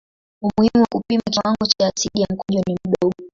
Umuhimu wa kupima kiwango cha asidi ya mkojo ni mdogo.